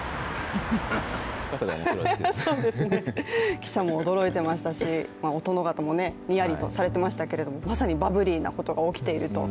記者も驚いてましたし、お殿方もにやりとされてましたけどもまさにバブリーなことが起きていると。